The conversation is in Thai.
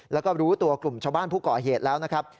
แล้วก็รู้ตัวกลุ่มชาวบ้านผู้ก่อเหตุแล้วนะครับ